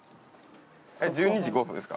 １２時５分ですか。